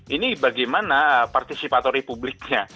ini bagaimana partisipator republiknya